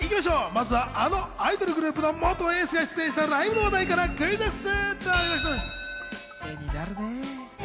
まずはあのアイドルグループの元エースが出演したライブの話題からクイズッス。